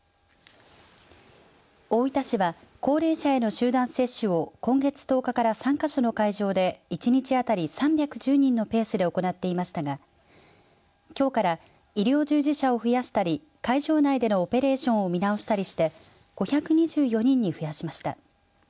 大分市は高齢者への集団接種を今月１０日から３か所の会場で１日当たり３１０人のペースで行っていましたがきょうから医療従事者を増やしたり会場内でのオペレーションを見直したりして５２４人に増やしました。